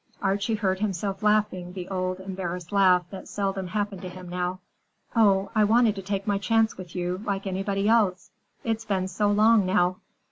Archie heard himself laughing the old, embarrassed laugh that seldom happened to him now. "Oh, I wanted to take my chance with you, like anybody else. It's been so long, now!"